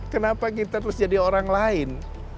kenapa kita terus jadi orang lain